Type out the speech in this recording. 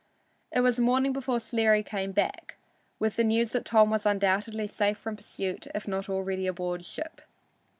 It was morning before Sleary came back, with the news that Tom was undoubtedly safe from pursuit, if not already aboard ship.